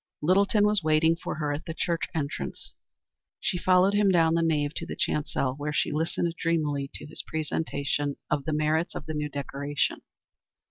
Littleton was waiting for her at the church entrance. She followed him down the nave to the chancel where she listened dreamily to his presentation of the merits of the new decoration.